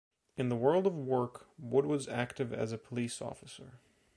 In the world of work Wood was active as a police offer.